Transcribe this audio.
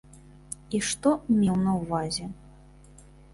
І што меў на ўвазе.